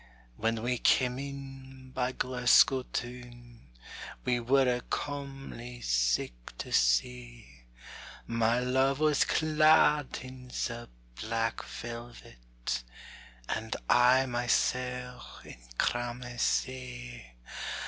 When we cam' in by Glasgow toun, We were a comely sicht to see; My love was clad in the black velvet, An' I mysel' in cramasie.